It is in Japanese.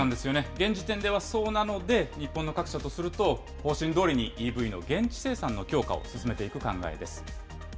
現時点ではそうなので、日本の各社とすると、方針どおりにＥＶの現地生産の強化を進めていく考えです。